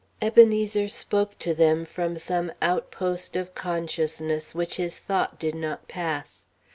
Ebenezer spoke to them from some outpost of consciousness which his thought did not pass.